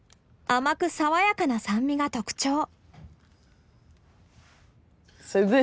甘く爽やかな酸味が特徴。